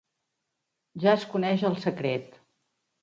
Ja es coneix el secret.